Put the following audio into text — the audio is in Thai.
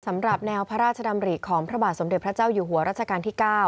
สำหรับแนวพระราชดำริของพระบาทสมเด็จพระเจ้าอยู่หัวรัชกาลที่๙